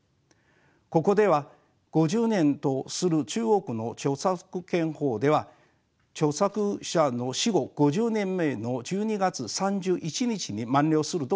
ここでは５０年とする中国の著作権法では著作者の死後５０年目の１２月３１日に満了すると定めています。